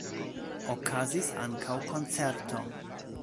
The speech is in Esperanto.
Okazis ankaŭ koncerto.